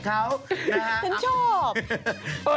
เคนออกหรือเป่า